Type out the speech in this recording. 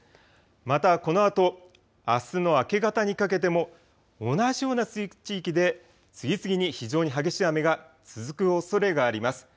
またこのあと、あすの明け方にかけても同じような地域で次々に非常に激しい雨が続くおそれがあります。